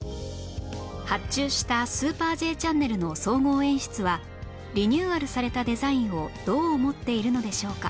発注した『スーパー Ｊ チャンネル』の総合演出はリニューアルされたデザインをどう思っているのでしょうか？